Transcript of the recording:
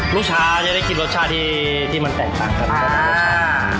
ลูกค้าจะได้กินรสชาติที่มันแตกต่างกัน